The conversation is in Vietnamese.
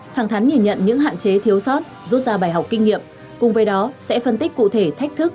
thẳng thắn nhìn nhận những hạn chế thiếu sót rút ra bài học kinh nghiệm cùng với đó sẽ phân tích cụ thể thách thức